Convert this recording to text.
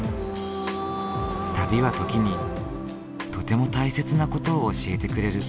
旅は時にとても大切な事を教えてくれる。